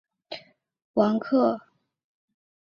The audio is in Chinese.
其子为同样任教于中山大学的王则柯。